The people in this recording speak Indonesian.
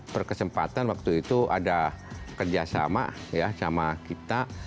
berkesempatan waktu itu ada kerjasama ya sama kita